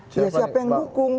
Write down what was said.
siapa yang dukung